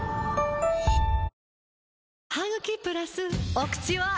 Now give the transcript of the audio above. お口は！